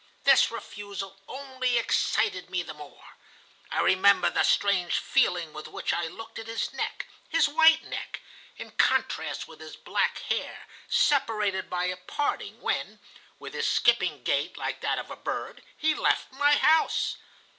This refusal only excited me the more. I remember the strange feeling with which I looked at his neck, his white neck, in contrast with his black hair, separated by a parting, when, with his skipping gait, like that of a bird, he left my house.